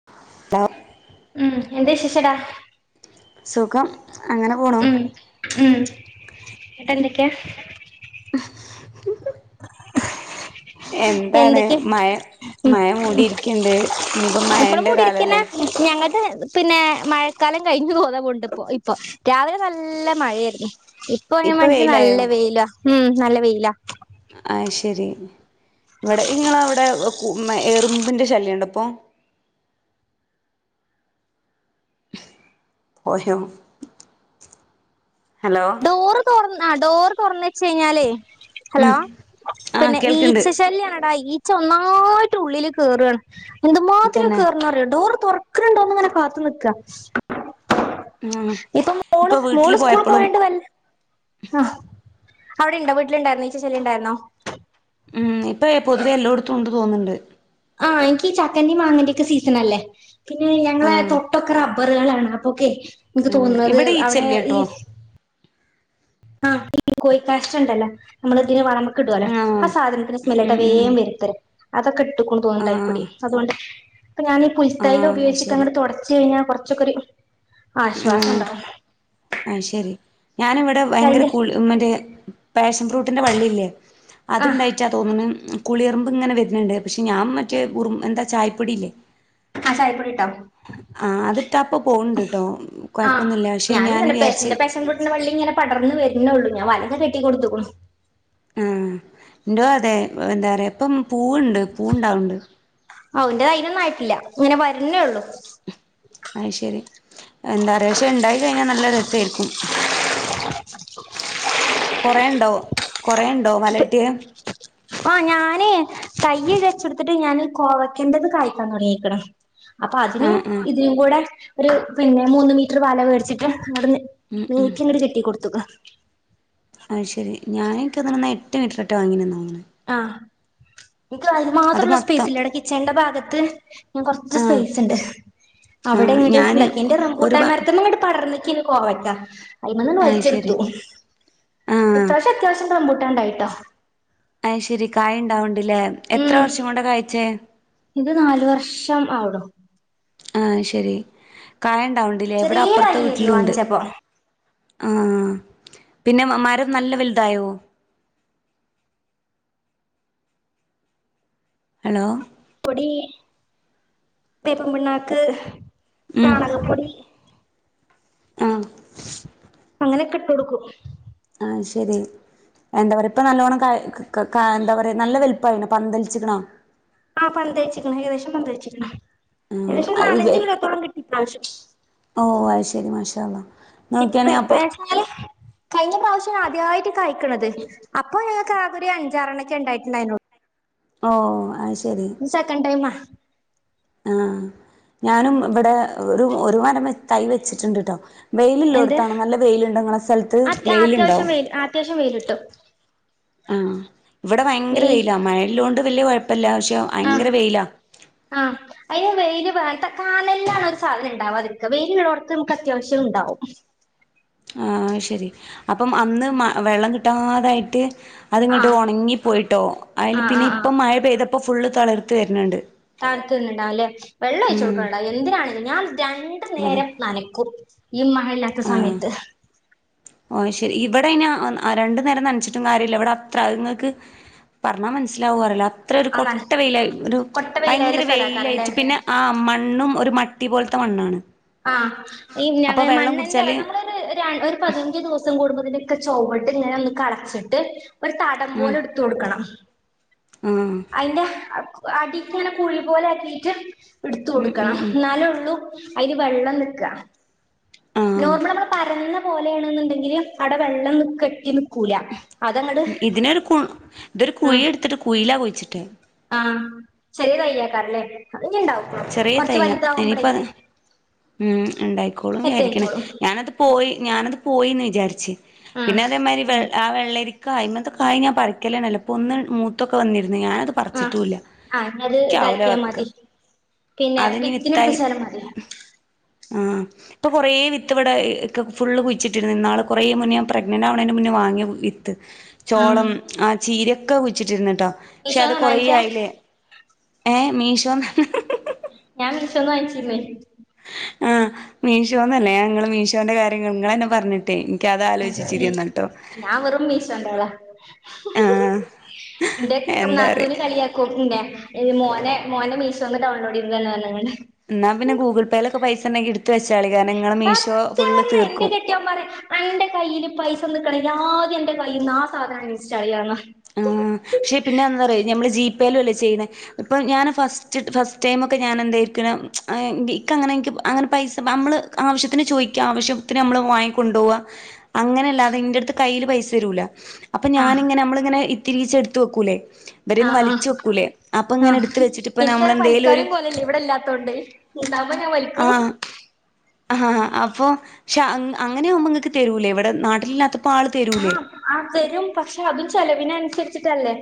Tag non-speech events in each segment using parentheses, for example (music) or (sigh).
(inaudible) ഉം എന്തെ വിശേഷടാ. സുഖം അങ്ങനെ പോണു. ഉം ഇന്നട്ട് എന്തെക്കെ എന്താണ് എന്തൊക്കെ മയാ മഴ മൂടിരിക്കിണ്ട് ഇനി ഇപ്പം മഴെന്റെ കാലല്ലെ. ഞങ്ങക്ക് പിന്നെ മഴക്കാലം കയിഞ്ഞു (unintelligible) ഇപ്പൊ രാവിലെ നല്ല മയേരുന്നു. ഇപ്പൊ അയ്നു മാണ്ടീട്ട് നല്ല വെയിലാ. ഉം നല്ല വെയിലാ. ആഹ് ശെരി. ഇവടെ ഇങ്ങളെ ഔടെ എറ്മ്പിൻ്റെ ശല്യം ഇണ്ടൊ ഇപ്പൊ പോയോ ഹലോ തൊറന്നാ ഡോറ് തൊറന്ന് വെച്ച് കയിഞ്ഞാലേ ഹലോ ഉം ആഹ് പിന്നെ കേൾക്ക്ണ്ട് ഈച്ചശല്യാണടാ ഈ ച്ചാ ഒന്നായിട്ട് ഉള്ളില് കേറാണ്. എന്തുമാത്ര തന്നെ കേറ്ണറ്യാെ. ഡോറ് തൊറ ക്ക്ണ്ടോന്ന്ങ്ങനെ കാത്ത് നിക്ക. ആഹ് ഇപ്പൊ മോള് വീട്ടില് മോള് സ്കൂള് പോയപ്പളും പോയണ്ട് വെ ആഹ് അവിടെ ഇണ്ടോ വീട്ടില് ഇണ്ടായിര്ന്നേ ഈച്ച ശല്യം ഇണ്ടായിര്ന്നൊ. ഉം ഇപ്പേ പൊതുവേ എല്ലോട്ത്തും ഇണ്ട് തോന്ന്ണ്ട്. ആഹ് എൻക്ക് ചക്കന്റിം മാങ്ങന്റിം ഒക്കെ സീസൺ അല്ലേ പിന്നെ ഞങ്ങളേ ആഹ് തൊട്ടൊക്കെ റ റുകളാണ് അപ്പൊക്കെ ഇൻക്ക് ആഹ് തോന്ന്ന്നത് ഇവിടെ അവ്ടെ ഈ ഈച്ചല്ല്യട്ടോ ആഹ് ഈ കോഴിക്കാഷ്ടം ഇണ്ടല്ലോ നമ്മള് ഇതിന് വള ഇടു അല്ലെ ആഹ് സാധനത്തിന് സ്മെല്ല് ഉം കേട്ട ഉം വേഗം (unintelligible) അതക്കെ എണ്ട് തോന്നുന്നുണ്ടായിക്കൂടി ആഹ് അതുകൊണ്ട് ഇ ഞാനി പുൽത്തൈല ആഹ് ശരി ഉപയോഗിച്ചിട്ടങ്ങനെ തൊട്ച്ച് കഴിഞ്ഞാ കൊർച്ചൊക്ക ഒര് ആഹ് ആയ് ശരി ഞാനിവിടെ പക്ഷെ ഭയങ്കര അതിന്റെ കൂ മറ്റേ പാഷൻ ഫ്രൂട്ടിന്റെ വള്ളില്ലേ ആഹ് അത്ണ്ടായി മറ്റാ തോന്നുന്ന് കുളിയർമ്പ് ഇങ്ങനെവെർന്ന്ണ്ട് പക്ഷെ ഞാൻ മറ്റേ ഉറു എന്താ ചായിപ്പൊടിയില്ലേ ആഹ് ചായിപ്പൊടിണ്ടോ? ആഹ് അതിട്ട അപ്പ പോണ് ണ്ട്ട്ടോ ആഹ് കൊഴപ്പൊന്നുല്ല പക്ഷെ ഞാനും ഞാൻ തന്നെ വിചാർച്ച് പേശന്റെ (unintelligible) വള്ളി ഇങ്ങെ പടർന്ന് ങ്ങന വളർന്ന് വരുന്നേള്ളൂ ഞാ വലക്കെ കെട്ടി കൊടുത്ത്ക്ക്കണു ഉം ഇന്റും അതെ എന്താ പറയാ ഇപ്പം പൂവുണ്ട് പൂവുണ്ടാവ്ണ്ട് അവന്റെ അയ്നൊന്നും ആയിട്ടില്ല ഇങ്ങനെ വരുന്നേ ഒള്ളൂ അയ് ശരി എന്താ പറ പക്ഷെ ഇണ്ടായി കഴിഞ്ഞാൽ നല്ല രസായിരിക്കും (inaudible) കൊറേണ്ടോ കൊറേണ്ടോ മലട്ടിയെ ആഹ് ഞാന് തയ്യ് വെച്ചെട്ത്തിട്ട് ഞാൻ കോവയ്ക്കേണ്ടത് കഴ്ക്കാൻ തുടങ്ങീക്ക്ണ് അപ്പൊ അതിനും ആഹ് ആഹ് ഇതിനും കൂടെ ഒരു പിന്നെ മൂന്ന് മീറ്റർ വല മേട്ച്ചിട്ട് അ (unintelligible) (unintelligible) കെട്ടി കൊട്ത്തക്ക അത് ശെരി ഞാനേക്കെങ്ങാൽ എട്ട് മീറ്ററ് എറ്റെ വാങ്ങിന്നാ തോന്നണേ ആഹ് ഇൻക്ക് അത് (unintelligible) സ്പേസ് ഇല്ല ഇടെ കിച്ചണ്ന്റെ ഭാഗത്ത് കൊർച്ച് ആഹ് സ്പേസ് ഇണ്ട്. അവിടെ ആഹ് ഞാന് ഇങ്ങോട്ട്ന്താക്കി എന്റെ ഒരു റംബൂട്ടാ ഭാ മാർത്മങ്ങട്ട് പടർന്നക്കേനു കോവക്ക അയ്മന്നങ്ങ് അയ് ശരി വൽച്ചെട്ത്തു ആഹ് ഇത്രാശ്യം അത്യാവശ്യ റംപുട്ടാണ്ടായിട്ടോ അയ് ശരി കായ് ഇണ്ടാവ്ണ്ട്ല്ലേ എത്ര ഉം വർഷം കൊണ്ട കാഴ്ച്ചേ ഇത് നാാല് വർഷം ആവ്ണു ആഹ് ശരി കായണ്ടാവ്ണ്ടില്ലേ ഇവിടെ ചെറിയ അപ്പർത്തെ തയ്യായിരുന്നു വീട്ടിലുണ്ടാവ്ണ്ട് വാങ്ങിച്ചപ്പോ ആഹ് പിന്നെ മരം നല്ല വെൽതായോ? ഹലോ പൊടി വേപ്പിൻ പിണ്ണാക്ക് ഉം ചാണകപ്പൊടി ആഹ് അങ്ങനൊക്കെ ഇട്ട് കൊട്ക്കും ആയ് ശരി എന്താ പറയാ ഇപ്പ നല്ലോണം കായ എന്താ പറയാ നല്ല വൽപ്പായിണോ പന്തലിച്ചിക്ക്ണോ? ആഹ് പന്തലിച്ചിക്ക്ണ് ഏകദേശം പന്തലിച്ചിക്ക്ണ് ആഹ് ഏകദേശം നാലഞ്ച് അയ് കിലോത്തോളം കിട്ടി ഇപ്രാവശ്യം ഓഹ് അത് ശെരി മാഷാഅല്ലാ നോക്കിയാണി അപ്പൊ ഇപ്രാവശ്യം കഴിഞ്ഞ പ്രാവശ്യം ആദ്യായിട്ട് കാഴ്ക്ക്ണത് അപ്പൊ ഞങ്ങക്ക് ആകെ ഒരു അഞ്ചാറണൊക്കെ ഇണ്ടായിട്ടുണ്ടായിരുന്നള്ളു ഓഹ് അത് ശെരി (unintelligible) സെക്കൻ ടൈമ ആഹ് ഞാനും ഇബടെ ഒരു ഒരു മരം തൈ വെച്ചിട്ടുണ്ട്ട്ടോ വെയില് എന്ത് ഇല്ലോട്ത്താണ് നല്ല വെയ്ലുണ്ടോ ഇങ്ങളെസ്ഥൽത്ത് അത്യ വെയ്ല്ണ്ടോ? അത്യാവശ്യം വെയിൽ അത്യാവശ്യം വെയ്ല്ണ്ട് ആഹ് ഇവടെ ഭയങ്കര വെയിൽ വെയ്ലാ മഴയില്ലോണ്ട് വലിയ കൊഴ്പ്പല്ല പക്ഷെ ഭയങ്കര വെയ്ലാ ആഹ് അയ്ൽ വെയ്ല് വേ കാലയ്ല്ലാണത് സാധനം ഇണ്ടാവാതിരിക്ക വെയിലുള്ളോട്ത്ത് നമുക്ക് അത്യാവശ്യം ഉണ്ടാവും ആ ശരി അപ്പം അന്ന് വെള്ളം കിട്ടാതായിട്ട് അത്ങ്ങോട്ട് ആഹ് ഉണങ്ങി പോയിട്ടോ അതിൽ ആഹ് ആഹ് പിന്നെ ആഹ് ഇപ്പം മഴ പെയ്തപ്പോൾ ഫുള്ള് തളർത്ത് വരുന്നുണ്ട് കാലത്ത്ു നിന്നണ്ടാവും അല്ലെ വെള്ള ഒഴിച്ചു ഉം കൊടുക്കാനുണ്ടാവും എന്തിനാണെങ്കിലും ഞാൻ രണ്ടു വല നേരം നനക്കും ഈ മഴ ഇല്ലാത്ത ആഹ് സമയത്ത് ഓ ശെരി ഇവിടെ രണ്ടു നേരം നനച്ചിട്ടും കാര്യല്ല ഇവിടെ അത്ര അങ്ങൾക്ക് പറഞ്ഞാൽ മനസ്സിലാവോ അറില്ല അത്ര ഒരു ആ നന കൊട്ട വെയിലായി ഒരു കൊട്ട വെയിലായുള്ള ഭയങ്കര സ്ഥലാക്കാരല്ലേ വെയിലായിട്ട് പിന്നെ ആ മണ്ണും ഒരു അട്ടി പോലത്തെ മണ്ണാണ്. ആഹ അപ്പൊ വെള്ളം മണ്ണ് എന്താ കുടിച്ചാല് നമ്മള ഒരു പതിനഞ്ച് ദിവസം കൂടുമ്പോതിനൊക്കെ ചവ്ട് ഇങ്ങനെ ഒന്ന് കളച്ചിട്ട് ഒരു തടം പോലെ എടു കോടുക്കണം ആ അതിന്റെ അടിക്ക് ഇങ്ങനെ കുഴി പോലെ ആക്കിയിട്ട് ഇട്ത്ത് ഉം ഉം കൊടുക്കണം ഉം എന്നാല ഉള്ളൂ അയിൽ വെള്ളം നിൽക്ക ആഹ് നോർമൽ നമ്മള് പരന്ന പോലെയാണെന്നുണ്ടെങ്കിൽ അവിടെ വെള്ളം കെട്ടി നിക്കൂല അതങ്ങട് ഇതിനൊരു കുഴി ഉം എടുത്തിട്ട് കുഴയിലാ കുഴിച്ചിട്ടത്. ആഹ് ചെറിയ തയ്യാക്കാരലെ അത് ഇഞ് ഇണ്ടാവും ചെറിയ കൊറച്ച് തൈയാ വലുതാവുമ്പളേ ഇനിയിപ്പം മ്മ് ഉണ്ടായിക്കോളും സെറ്റ് വിചാരിക്കണേ ആയിക്കോളും ഞാനത് പോയി ൻ വിചാരിച്ച് ആഹ് പിന്നെ അതേമാരി ആ വെള്ളരിക്കായ്മത്തെ കായ് ഞാൻ പറിക്കലന്നെല്ല ഇപ്പൊ ഒന്ന് മൂത്തൊക്കെ വന്നിരുന്നു ഞാനത് ആഹ് പറിച്ചിട്ടുല്ല ആഹ് ഇനി അത് എനിക്ക്ആവൂല ഇതാക്കിയാ മതി പിന്നെ അതിനി വിത്തിന് വിത്തായി എടുപ്പിച്ചാലും മതി ആമ് ഇപ്പൊ കുറേ വിത്ത്വിടെ ഫുള് കുഴിച്ചിട്ടിരുന്നു ഇന്നാള് കുറേ മുന്നേ പ്രെഗ്നന്റ് ആവണന് മുന്നേ വാങ്ങി ആഹ് ചോളം ആ ചീരൊക്കെ കുഴിച്ചിട്ടിരുന്നിട്ടാ പക്ഷെ അത് മീഷോന്നാണോ കൊറേ വാങ്ങിച്ചേ ആയില്ലേ ഏ മീഷോ ന്നാണ് ഞാൻ മീഷോ ന്ന് വാങ്ങിച്ചിരുന്നു. ആഹ മീശോന്നല്ലേ ഞങ്ങള് മീശോന്റെ കാര്യങ്ങ നിങ്ങ എന്നെ പറഞ്ഞിട്ട് (unintelligible) (unintelligible) ഞാൻ വെറും മീഷോ ന്റെ ആളാ ആഹ് (inaudible) ഇന്റൊക്കെ എന്താ പറയാ നാത്തൂന്റെ കല്യാ കുമ്പോ മോനെ മോനെ മീസോ ന്ന് ഡൗൺലോഡ് ചെയ്തന്ന് പറഞ്ഞണ്ട് എന്നാ പിന്നെ ഗൂഗിൾ പേ ലൊക്കെ പൈസ ഉണ്ടെങ്കി എടുത്ത വെച്ചാള കാരണം നിങ്ങങ്ങള് മീഷോ ഫുള് തീർക്കും പറ അന്റെ കയ്യിയില് പൈസ നൽക്കണങ്കിൽ ആദ്യം അൻന്റെ കയ്ൽ നിന്ന് ആ സാധനം അണിസ്റ്റാൾ ചെയണന്ന ആ പക്ഷേ പിന്നെ എന്താ പറയാ ഞമ്മൾ ജീപേലും അല്ലേ ചെയ്യണ ഇപ്പം ഞാൻ ഫസ്റ്റ് ഫസ്റ്റ് ടൈമൊക്കെ ഞാൻ എന്തായിരിക്കണം ഇൻക്ക അങ്ങനെനിക്ക് അങ്ങനെ പൈസ നമ്മള് ആവശ്യത്തിന് ചോദിക്കുക ആവശ്യത്തിന് നമ്മൾ വാങ്ങിക്കൊണ്ടു പോവാ അങ്ങനെയല്ലാതെ ഇന്റെ അടുത്ത് കയ്യിയില് പൈസ തരൂല അപ്പൊ ആഹ് ഞാനിങ്ങനെ നമ്മളിങ്ങനെ ഇത്തിരീച്ച എടുത്ത് വെക്കൂല്ലേ ആഹ ആ ആഹ് വെച്ചിട്ട് ഇപ്പ എനിക്കനെ നമ്മളെന്തേലും ഒരു പരിക്കാരം പോലല്ലേ ഇവിടെ ഇല്ലാത്തോണ്ട് ഉണ്ടാവുമ്പോ ഞാൻ വലിക്കും ആ അപ്പോ അങ്ങനെ ആകുമ്പോങ്ങൾക്ക് തരൂലേ ഇവിടെ നാട്ടിലില്ലാത്തപ്പോൾ ആൾ തരൂലേ ആഹ് ആ തരും പക്ഷെ അതും ചെലവിന അനുസരിച്ചിട്ടല്ലേ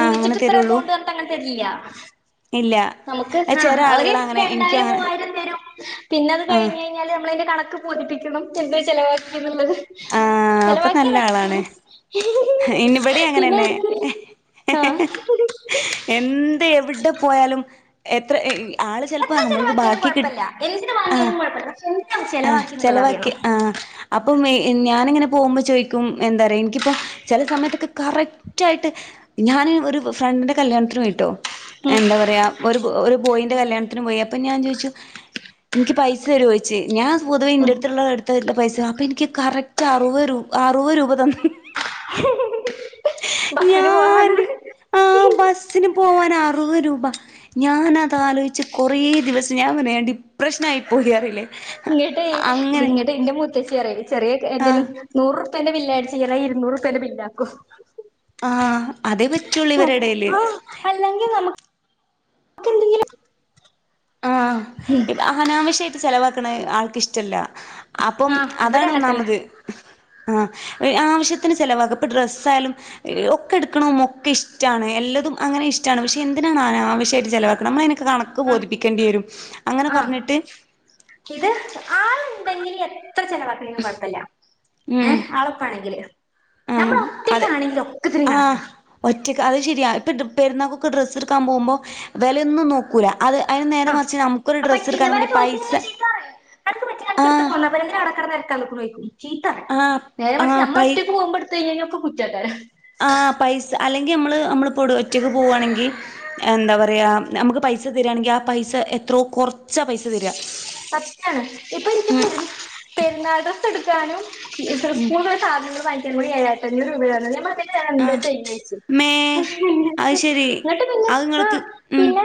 ആഹ് അങ്ങനെ ഇത്ര തരുള്ളൂ എമൗണ്ട് അങ്ങെ തരില്ല ഇല്ല നമുക്ക് അത് ആഹ ചെല അവര് ആളുകളങ്ങനെ എനിക്കും രണ്ടായിരം അങ്ങനെ മൂവായിരം തരും പിന്നെത് ആഹ് കഴിഞ് ഞ്ഞല് നമ്മളെതിന്റെ കണക്ക് ബോധിപ്പിക്കണം എന്ത ചെലവാക്കി എന്നുള്ളത് ആഹ് അപ്പൊ നല്ല ചെലവാക്കിയതെ ആളാണ് ഇനിവിടെ പിന്നെ അങ്ങനെന്നെ അടുത്ത് ആഹ് എന്ത് എവിടെ പോയാലും എത്ര ഹെ ആള് ചെ ലപ്പ എത്ര നമ്മളൊട് ചെലവാക്കിയാലും ബാക്കി കി കുഴപ്പല്ല എന്തിന് ആ വാങ്ങിയാലും (unintelligible) ആ എന്നുള്ളത് ചെലവാക്കി അറിയണം ആ അപ്പം ഏ ഞാന ഇങ്ങനെ പോവുമ്പോ ചോയ്ക്കും എന്താ പറയാ എനിക്കിപ്പോ ചെല സമയത്തൊക്കെ കറക്റ്റ് ആയിട്ട് ഞാന് ഒരു ഫ്രണ്ടിന്റെ കല്യാണത്തിന് പോയിട്ടോ ഹെ ഉം എന്താ പറയാ ഒരു ഒരു ബോയിൻന്റെ കല്യാണത്തിന് പോയി അപ്പം ഞാൻ ചോയിച്ചു നിക്ക് പൈസ തരോചോയിച്ച് ഞാൻ പൊതുവെ ഉം ഇന്റെറ അടുത്തുള്ള അടുത്തള്ള പൈസ അപ്പൊ എനിക്ക് കറക്റ്റ് അറുപത് രൂ അറുപത് രൂപ തന്നു ബസ്സിന് ഞാൻ പോകാനുള്ളത് ആ ബസ് സിന് പോവാൻ അറുപത് രൂപ ഞാനത് ആലോച്ച് കൊറെ ദിവസം ഞാൻ പറഞ്ഞീലെ ഞാൻ ഡിപ്രഷനായി പോയി അറില്ലേ ഇങ്ങിട്ട് ഇങ്ങട്ട് ഇന്റെ മൂത്തച്ചി പറിം ചെറിയ ആഹ് എന്തെലും നൂറുറുപ്പേന്റെ ബില്ലല്യിടിച്ചു ചേറ ഇരുന്നൂറുപ്പേന്റെ ബില്ല ആാക്കും ആഹ് അതേ പറ്റുള്ളൂ ഇവരെടേല് ആ അല്ലെങ്കിൽ നമക്ക് എന്തെങ്കിലും ആ ഇപ്പെ അനാവശ്യമായിട്ട് ചെലവാക്കണ ആൾക് ഇഷ്ടല്ല അപ്പം ആ ഇവിടെ അതാണ് അങ്ങനെ തന്നെ ഒന്നാമത് ആ ആവശ്യത്തിന് ചെലവ ഇപ്പ ഡ്രസ്സ ആായാലും ഒക്കെ എടുക്കണതും ഒക്കെ ഇഷ്ടമാണ് ഏല്ലതും അങ്ങനെ ഇഷ്ടണ് പക്ഷെ എന്തിനാണ് ആനആാവശ്യമായിട്ട് ചെലവാക്കണ് നമ്മള അയിനൊക്കെ കണ ക്ക് ആ ബോധിപ്പിക്കേണ്ടി വരും അങ്ങനെ ആ പറഞ്ഞിട്ട് ഇത് ആളുണ്ടെങ്കില് എത്ര ചെലവാക്ക്‌നീനും കൊഴപ്പല ഉം മ് അളപ്പാണെങ്കില് ആ അതെ ആഹ കണക്കാ ഒറ്റക്ക് അഹ് ശരിയാ ഇപ്പം പെരുന്നൾക്കെക്കെ ഡ്രസ് എടുക്കാൻ പോകുമ്പോൾ വെലെന്നും നോക്ക ക്കുല അത് അയിന് നേരെ ആ മറിച്ച് നമുക്കൊരു അപ്പൊ ഡ്രസ്സ് എടുക്കാൻ ഇവരെ വേണ്ടി പൈസ ചോദിച്ചന്നെ ആ യെന്തിനാ അവടക്കെടന്ന് തെരക്കൻ നിക്കുന്നു ചോയ്ക്കും ചീത്തറിം ആഹ് നേരെ മറിച് ആഹ് നമ്മൾ പൈ ഒറ്റക്ക് പോവുമ്പോ ഏ ട്തയിന്ന ഒക്കെ കുറ്റാക്കാരം ആ പൈസ അല്ലെങ്കിൽ നമ്മള് നമ്മൾ ഒടു ഒറ്റയ്ക്ക് പോവണെങ്കി എന്താ പറയാ നമുക്ക് പൈസ തരിയാണെങ്കിൽ ആ പൈസ എത്രോ കുറച്ചാ പൈസ തരി സത്യണ് ഇപ്പൊ നിക്ക് പെരു പെരുന്നാൾഡ്രസ് എടുക്കാനുംഇഡ്രസ്സ് കോഡ് സാധങ്ങൾ വാങ്ങിക്കാന്നും കൂടി ഏഴായിരഞ്ഞൂർ രൂപയാണ് നമ്മളൊക്കെ ത് ഞാൻ എന്താ ആഹ് ചെയ്യച്ചു മേ അത് ശരി എന്നട്ട് പിന്നെ അത് ആ നിങ്ങൾക്ക് ഉം പിന്നെ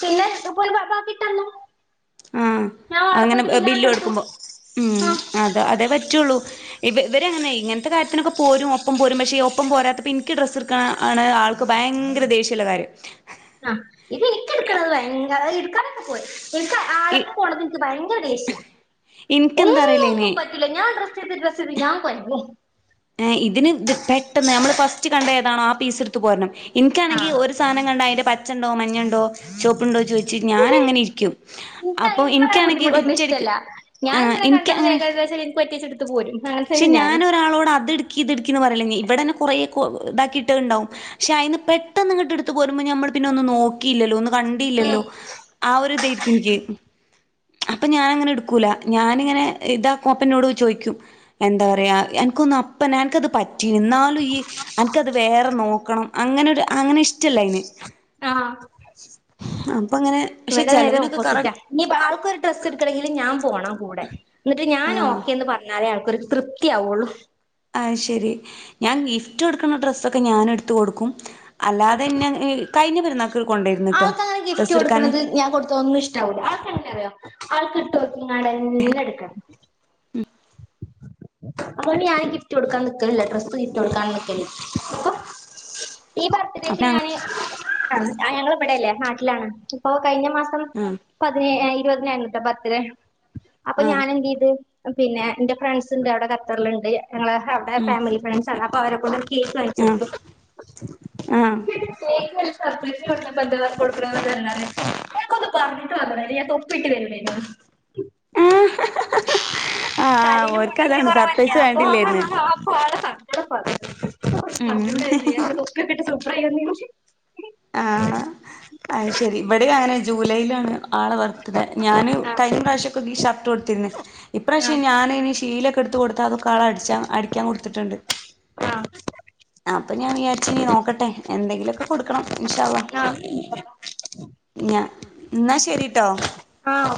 പിന്നെ ഇപ്പ ഓല് ബാക്കിട്ടന്നു ആഹ് അങ്ങനെ ബില്ല് എടുക്കുമ്പോ ആഹ അത അതെ പറ്റോള്ളൂ ഇവ ഇവരെങ്ങനെ ഇങ്ങത്തെ കാര്യത്തിനൊക്കെ പോരും ഒപ്പം പോരും പക്ഷെ ഒപ്പം പോരാത്തപ്പ നിക്ക് ഡ്രസ്സ് ക്ക ആണ് ആൾക്ക് ഭയങ്കര ദേഷ്യള്ള കാര്യം ആ ഇത് എനിക്ക എടുക്കണത് ഭയങ്കര എടുക്കാനൊക്കെ പോയി ഓല്ക് ആപ്പ പോവനഥ്‌ ക്ക് ഭയങ്കര ദേഷ്യ ഇക്ക് എന്താ അറിയിലേ അയിന് ക്കുല ഞാൻ ഡ്രസ് ചെയ്ത് ഡ്രസ് ചെയ്ത് ഞാൻ കൊയങ്ങി ഏ ഇതിന് ത് പെട്ടെന്ന് നമ്മൾ ഫസ്റ്റ് കണ്ട ഏതാണോ ആ പീസ് എടുത്ത് പോരണം എനിക്കാണെങ്കിൽ ആ ഒരു സാധനം കണ്ട അയിന്റെ പച്ച ഉണ്ടോ മഞ്ഞണ്ടോ ചോപ്പ്ണ്ടോ ചോദിച്ചി ഞാന എനിക്ക് അങ്ങനെ ഇരിക്കും എനിക്ക് അപ്പൊ അങ്ങനെ ഇക്കാണെങ്കി ബുദ്ധിമുട്ടിക്കണ ഒറ്റടിക്ക് ഇഷ്ടല്ല ഞാൻ ആഹ് ഇന്നലെ ഇൻക്ക് കണ്ടത് അങ്ങനെ വേഗം ഏകദേശം എനിക്ക് പറ്റിയെച്ചെടുത്ത് പോരും അങ്ങനത്തെ ക്ഷെ ഞാന് ഞാനൊരാളോട് അ ത്ട്ക്കി ഇത്ട്ക്കിന്ന് പറേല്ല ഇവിടെന്നെ കുറെ ഇതാക്കിട്ടെണ്ടാവും ക്ഷെ അയിന്ന് പെട്ടെന്ന് കിട്ട് എടുത്ത് പോരുമ്പോ ഞമ്മൾ പിന്നെ ഒന്നും നോക്കില്ലോ ഒന്ന് കണ്ടില്ലല്ലോ ആഹ് ഒരു ഇതായിരിക്കും ഇൻക്ക് അപ്പൊ ഞാൻ അങ്ങനെ ഇട്ക്കൂല ഞാനിങ്ങനെ ഇതാക്കൂ അപ്പ ഇന്നോട് ചോയിക്കും എന്താ പറയാ എനിക്കൊന്ന് അപ്പന്നെ അനക്കത് പറ്റി എന്നാലും ഈ അനക്കത് വേറെ നോക്കണം അങ്ങനൊരു അങ്ങനെ ഇഷ്ടല്ല അയ്ന് ആഹ് അപ്പങ്ങനെ പക്ഷെ ഇവിടെ നേരെ ചെലവിനൊ ഓപ്പോസിറ്റാ കറക് ഇനി പ്പോ ആൾക്കൊരു ഡ്രസ്സ് ഇട്ക്കണങ്കില് ഞാൻ പോണം കൂടെ എന്നിട്ട് ഞാൻ ആഹ് ഓക്കെന്ന് പറ എന്നാലേ ആൾക്കൊരു തൃപ്തിയാവയുള്ളു ആത്ശരി ഞാൻ ഗിഫ്റ്റ് കൊടുക്കണ ഡ്രസ്സൊക്കെ ഞാൻ എടുത്ത് കൊടുക്കും അല്ലാതെന്നെ ങ് കഴിഞ്ഞ പെരുന്ന അവൾക്കങ്ങനെ ഗിഫ്റ്റ് കൊടുക്ക്ണത് ഞാ കൊടുക്ക്ണ ഇഷ് ആക്ക എങ്ങനറിയോ ആൾക്ക് ഇട്ടോക്കിങ്ങാടെ എല്ലാം എട്ക്കണം മ് അതോണ്ട് ഞാന് ഗിഫ്റ്റ് കൊടുക്കാൻ നിക്കലില്ല ഡ്രസ്സ് ഗിഫ്റ്റ് കൊടുക്കാൻ നക്കലില്ല ഇപ്പൊ ഈ അപ്പ ബർത്ത്ഡേക്ക് ഞാന് ഞങ്ങ ഇവിടെല്ലേ നാട്ടിലാണ് അപ്പൊ കഴിഞ്ഞ മാസം ഉം പതിനേഴായിര ഇരുപതിനായിരുന്ന് പത്തില് അപ്പൊ ആഹ് ഞാൻ എന്തെയ്ത് പിന്നെ ഇന്റെ ഫ്രണ്ട്സ്ണ്ട് അവിടെ ഖത്തർല്ണ്ട് ഞങ്ങളെ അവിടെ ഉം ഫാമിലി ഫ്രണ്ട്സ് ആഹ് അപ്പൊവരെ കൊണ്ട് ഒരു കേക്ക് ആഹ് വാങ്ങിച്ചൊടുത്തു (inaudible) ആഹ് കേക്ക് സർപ്രൈസ് (unintelligible) ഓൽക്കൊന്ന് പറഞ്ഞിട്ട് വന്നൂടെ ഞ തൊ (unintelligible) ആഹ് തലേല് മുടി ഓര്ക്കതാണ് കൊറവല്ലേ സർപ്രൈസ് വേണ്ടില്ലേര്ന്ന് അപ്പൊ ഓളെ സങ്കടം പറയെന്റെടുത്ത് ഉം പറ ഗക്കിട്ട് സൂപ്പറായി വന്നീനു അത്ശെരി ഇവിടെയും അങ്ങനെ ജൂലൈലാണ് ആളെ ബർത്ത്ഡേ ഞാന് കഴിഞ്ഞ പ്രാവശ്യം ഷർട്ട് കൊടുത്തിര്ന്ന് ആ ഇപ്രാവശ്യം ഞാനയിന് ശീല ക്കെട്ത്ത് കൊടുത്ത അത് ആളടിച്ചാ അടിക്കാൻ കൊടുത്തിട്ട്ണ്ട് ആഹ് അപ്പൊ ഞാൻ വിചാരിച്ചിനീ നോക്കട്ടെ എന്തെങ്കിലൊക്കെ കൊടുക്കണം ഇൻഷാ അള്ളാ ഞാ ഇന്നാ ശരിട്ടോ. ആഹ്